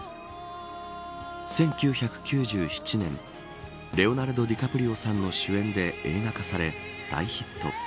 １９９７年レオナルド・ディカプリオさんの主演で映画化され、大ヒット。